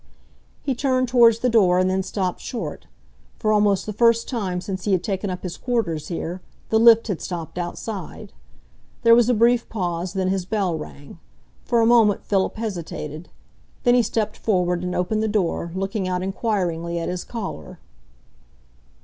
He turned towards the door and then stopped short. For almost the first time since he had taken up his quarters here, the lift had stopped outside. There was a brief pause, then his bell rang. For a moment Philip hesitated. Then he stepped forward and opened the door, looking out enquiringly at his caller.